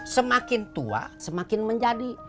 semakin tua semakin menjadi